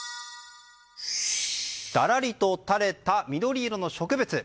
だらりと垂れた緑色の植物。